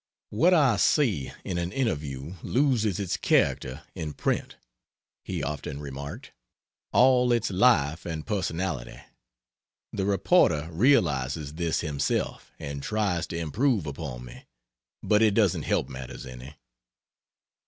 "What I say in an interview loses it character in print," he often remarked, "all its life and personality. The reporter realizes this himself, and tries to improve upon me, but he doesn't help matters any."